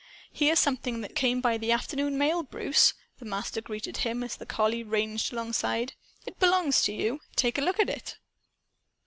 "Here's something that came by the afternoon mail, Bruce," the Master greeted him, as the collie ranged alongside. "It belongs to you. Take a look at it."